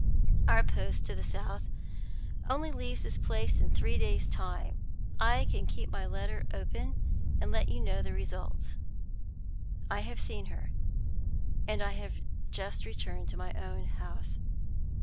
Our post to the South only leaves this place in three days' time. I can keep my letter open, and let you know the result. "I have seen her; and I have just returned to my own house.